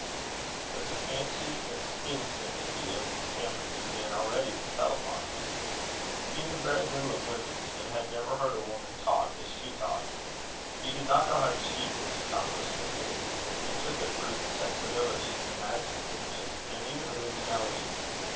But the fancy and skin sympathy of Miss Cameron began already to tell upon Hugh. He knew very little of women, and had never heard a woman talk as she talked. He did not know how cheap this accomplishment is, and took it for sensibility, imaginativeness, and even originality.